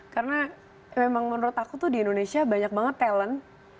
karena memang menurut aku tuh di indonesia banyak banget talent